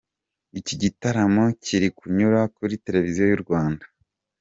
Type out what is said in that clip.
Iki gitaramo kiri kunyura kuri Televiziyo y’u Rwanda.